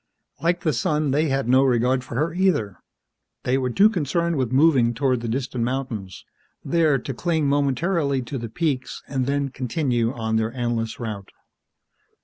Like the sun, they had no regard for her, either. They were too concerned with moving toward the distant mountains, there to cling momentarily to the peaks and then continue on their endless route.